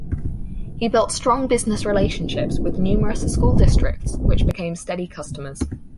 He built strong business relationships with numerous school districts, which became steady customers.